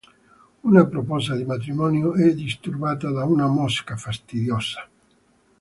Una proposta di matrimonio è disturbata da una mosca fastidiosa.